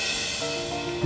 bukan itu rencana aku